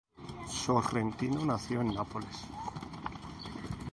Sorrentino nació en Nápoles.